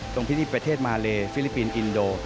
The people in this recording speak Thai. ที่นี่ประเทศมาเลฟิลิปปินส์อินโด